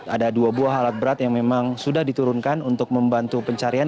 ada dua buah alat berat yang memang sudah diturunkan untuk membantu pencarian